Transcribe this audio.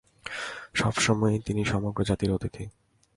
সব সময়েই তিনি সমগ্র জাতির অতিথি।